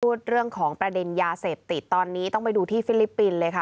เรื่องของประเด็นยาเสพติดตอนนี้ต้องไปดูที่ฟิลิปปินส์เลยค่ะ